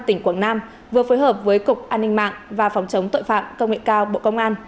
tỉnh quảng nam vừa phối hợp với cục an ninh mạng và phòng chống tội phạm công nghệ cao bộ công an